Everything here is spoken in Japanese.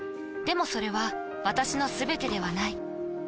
でもそれは私のすべてではない。